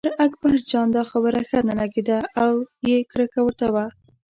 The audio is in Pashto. پر اکبرجان دا خبره ښه نه لګېده او یې کرکه ورته وه.